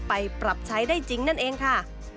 ปรับใช้ได้จริงนั่นเองค่ะ